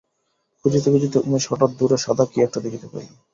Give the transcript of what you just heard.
খুঁজিতে খুঁজিতে উমেশ হঠাৎ দূরে সাদা কী একটা দেখিতে পাইল।